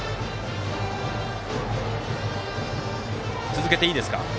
続けていいですか。